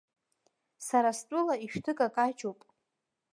Сара стәыла ишәҭыкакаҷуп.